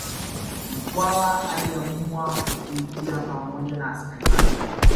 Mkwawa aliamua kukimbia pamoja na askari wake